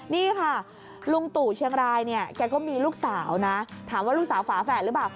นี่ค่ะลุงตู่เชียงรายเนี่ยแกก็มีลูกสาวนะถามว่าลูกสาวฝาแฝดหรือเปล่า